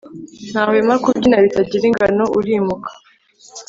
ntahwema kubyina bitagira ingano urimuka